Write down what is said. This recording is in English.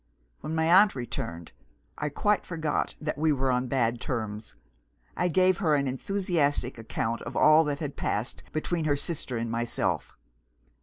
"When my aunt returned, I quite forgot that we were on bad terms. I gave her an enthusiastic account of all that had passed between her sister and myself.